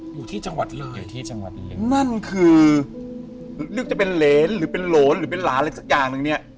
อยู่ที่จังหวัดเลยอยู่ที่จังหวัดเลยนั่นคือเลือกจะเป็นเหรนหรือเป็นโหลนหรือเป็นหลานอะไรสักอย่างหนึ่งเนี่ย